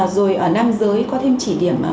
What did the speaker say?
rồi ở nam giới có thêm chỉ điểm